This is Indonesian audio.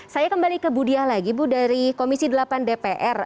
saya kembali ke bu diah lagi bu dari komisi delapan dpr